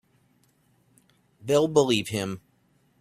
They'll believe him.